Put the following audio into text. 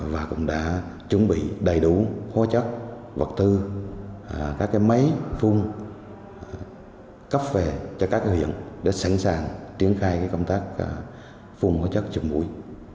và cũng đã chuẩn bị đầy đủ hóa chất vật tư các máy phung cấp về cho các hướng dẫn để sẵn sàng triển khai công tác phung hóa chất chụp mũi